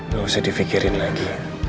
gak usah difikirin lagi